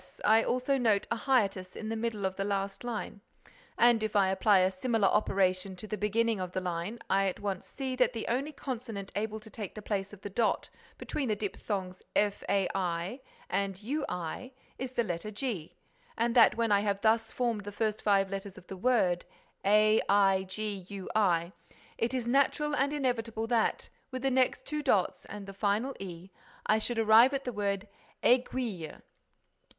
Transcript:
I also note an hiatus in the middle of the last line; and, if I apply a similar operation to the beginning of the line, I at once see that the only consonant able to take the place of the dot between the diphthongs fai and ui is the letter g and that, when I have thus formed the first five letters of the word, aigui, it is natural and inevitable that, with the two next dots and the final e, I should arrive at the word aiguille."